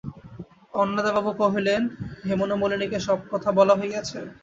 অন্নদাবাবু কহিলেন, হেমনলিনীকে সব কথা বলা হইয়াছে?